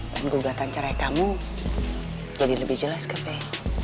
dan gugatan cerai kamu jadi lebih jelas ke meh